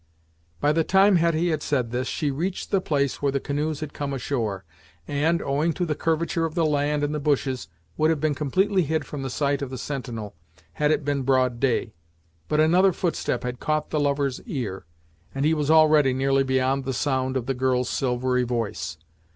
By the time Hetty had said this, she reached the place where the canoes had come ashore, and, owing to the curvature of the land and the bushes, would have been completely hid from the sight of the sentinel, had it been broad day. But another footstep had caught the lover's ear, and he was already nearly beyond the sound of the girl's silvery voice.